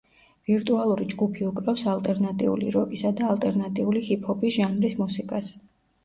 ვირტუალური ჯგუფი უკრავს ალტერნატიული როკისა და ალტერნატიული ჰიპ-ჰოპის ჟანრის მუსიკას.